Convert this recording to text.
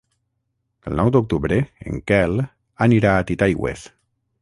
El nou d'octubre en Quel anirà a Titaigües.